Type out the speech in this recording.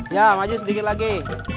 ya maju sedikit lagi